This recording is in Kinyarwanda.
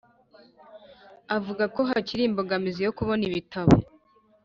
avuga ko hakiri imbogamizi yo kubona ibitabo